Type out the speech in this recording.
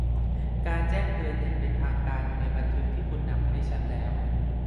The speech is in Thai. การแจ้งเตือนอย่างเป็นทางการอยู่ในบันทึกที่คุณนำมาให้ฉันแล้ว